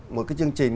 một cái chương trình